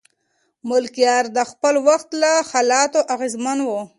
ملکیار د خپل وخت له حالاتو اغېزمن و.